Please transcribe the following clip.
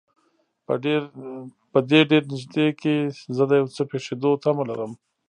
په دې ډېر نږدې کې زه د یو څه پېښېدو تمه لرم.